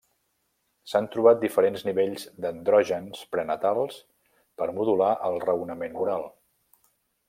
S'han trobat diferents nivells d'andrògens prenatals per modular el raonament moral.